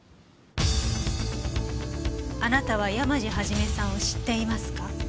あなたは山路肇さんを知っていますか？